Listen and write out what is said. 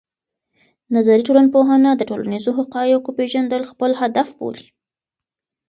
نظري ټولنپوهنه د ټولنیزو حقایقو پېژندل خپل هدف بولي.